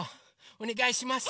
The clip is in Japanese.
おねがいします。